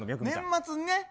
年末にね。